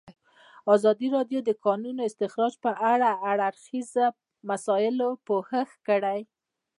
ازادي راډیو د د کانونو استخراج په اړه د هر اړخیزو مسایلو پوښښ کړی.